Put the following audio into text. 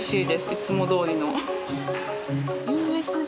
いつもどおりの。